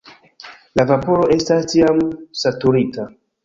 La vaporo estas tiam "saturita".